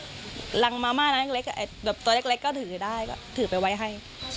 ถึงจิดลำมามาแหลงเล็กก็ถือไปไว้ให้